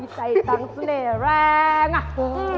ไอ้ใจตังค์สุดแน่แรง